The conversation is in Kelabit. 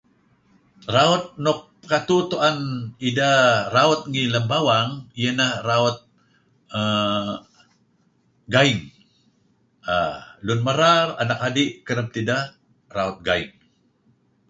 Raut nuk pekatu tuen ideh raut ngi lem bawang iyeh ineh raut uhm gaing. err Lun merar, anak adi' kereb tideh raut gaing.